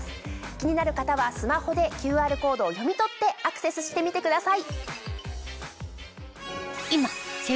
気になる方はスマホでＱＲコードを読み取ってアクセスしてみてください。